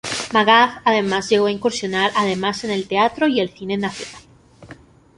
Magaz además llegó incursionar además en el teatro y el cine nacional.